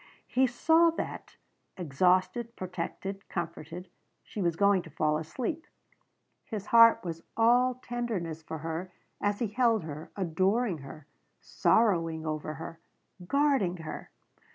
He saw that exhausted, protected, comforted she was going to fall asleep. His heart was all tenderness for her as he held her, adoring her, sorrowing over her, guarding her.